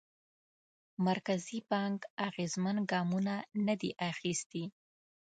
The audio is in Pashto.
مرکزي بانک اغېزمن ګامونه ندي اخیستي.